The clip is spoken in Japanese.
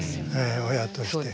親として。